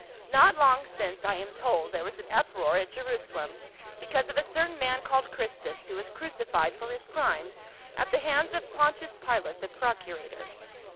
Not long since, I am told, there was an uproar at Jerusalem because of a certain man called Christus, who was crucified for his crimes at the hands of Pontius Pilate, the procurator.